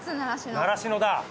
習志野だ。